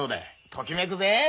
ときめくぜ。